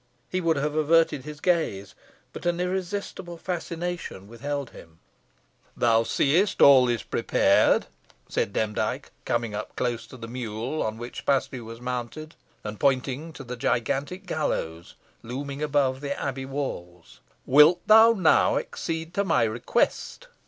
He would have averted his gaze, but an irresistible fascination withheld him. "Thou seest all is prepared," said Demdike, coming close up the mule on which Paslew was mounted, and pointing to the gigantic gallows, looming above the abbey walls; "wilt them now accede to my request?"